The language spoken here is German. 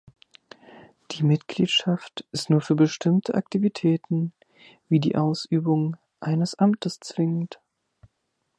Die Mitgliedschaft ist nur für bestimmte Aktivitäten, wie die Ausübung eines Amtes, zwingend.